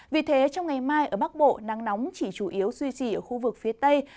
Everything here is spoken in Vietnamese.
vì thế trong ngày mai ở bắc bộ nắng nóng chỉ chủ yếu duy trì ở khu vực phía tây